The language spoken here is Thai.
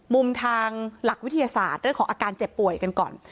มุมทางหลักวิทยาศาสตร์เรื่องของอาการเจ็บป่วยกันก่อน